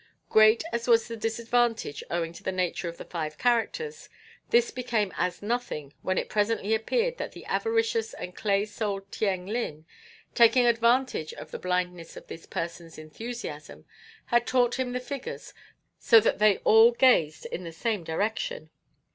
Great as was the disadvantage owing to the nature of the five characters, this became as nothing when it presently appeared that the avaricious and clay souled Tieng Lin, taking advantage of the blindness of this person's enthusiasm, had taught him the figures so that they all gazed in the same direction.